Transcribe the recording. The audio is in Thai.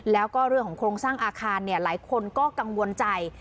แล้วก็เรื่องของโครงสร้างอาคารหลายคนก็กังวลใจ